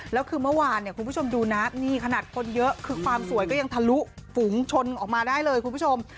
แล้วคือเมื่อวานเนี่ยคุณผู้ชมดูนะนี่ขนาดคนเยอะคือความสวยก็ยังทะลุฝูงชนออกมาได้เลยคุณผู้ชม